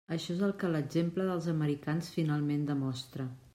Això és el que l'exemple dels americans finalment demostra.